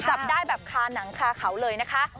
จับได้แบบคาหนังคาเขาเลยนะคะ